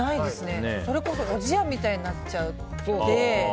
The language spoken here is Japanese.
それこそおじやみたいになっちゃって。